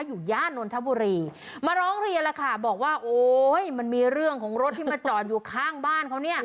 ย่านนทบุรีมาร้องเรียนแล้วค่ะบอกว่าโอ้ยมันมีเรื่องของรถที่มาจอดอยู่ข้างบ้านเขาเนี่ย